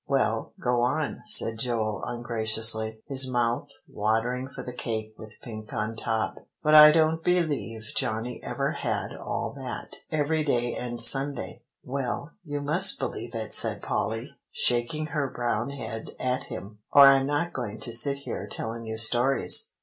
] "Well, go on," said Joel ungraciously, his mouth watering for the cake with pink on top; "but I don't b'lieve Johnny ever had all that, every day and Sunday." "Well, you must believe it," said Polly, shaking her brown head at him; "or I'm not going to sit here telling you stories.